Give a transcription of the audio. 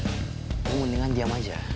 lu mendingan diam aja